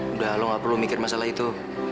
udah lo gak perlu mikir masalah itu